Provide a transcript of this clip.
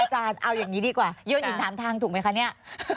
อาจารย์เอาอย่างนี้ดีกว่าโยนหินถามทางถูกไหมคะเนี่ย